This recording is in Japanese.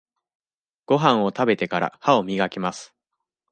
ごはんを食べてから、歯をみがきます。